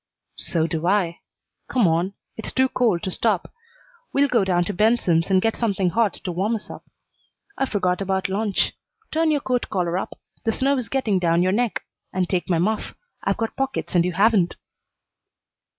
"So do I. Come on; it's too cold to stop. We'll go down to Benson's and get something hot to warm us up. I forgot about lunch. Turn your coat collar up the snow is getting down your neck and take my muff. I've got pockets and you haven't."